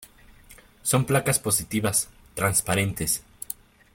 Son placas positivas, transparentes.